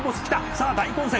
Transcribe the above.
「さあ大混戦。